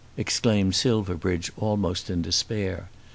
exclaimed Silverbridge, almost in despair.